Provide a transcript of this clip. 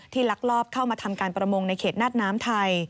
ลักลอบเข้ามาทำการประมงในเขตนาดน้ำไทย